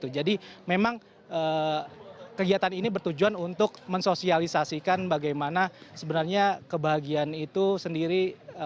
jadi memang kegiatan ini bertujuan untuk mensosialisasikan bagaimana sebenarnya kebahagiaan itu sendiri